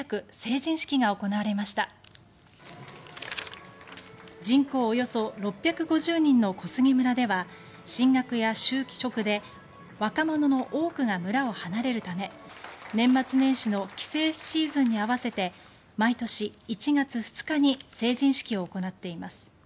人口およそ６５０人の小菅村では進学や就職で若者の多くが村を離れるため年末年始の帰省シーズンに合わせて毎年１月２日に成人式を行っています。